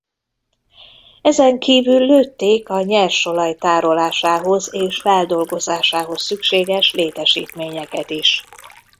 Ezen kívül lőtték a nyersolaj tárolásához és feldolgozásához szükséges létesítményeket is.